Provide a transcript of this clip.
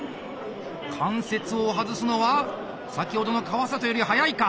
関節を外すのは先ほどの川里よりはやいか。